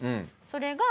それが。